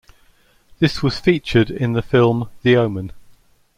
This was featured in the film "The Omen".